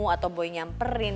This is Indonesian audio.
atau boy nyamperin